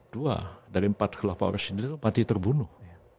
dua dari empat khulafah rasidin itu mati terbunuh